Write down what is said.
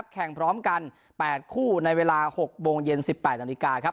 แข่งพร้อมกัน๘คู่ในเวลา๖โมงเย็น๑๘นาฬิกาครับ